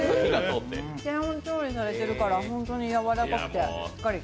低温調理されているから本当にやわらかくて、しっかり。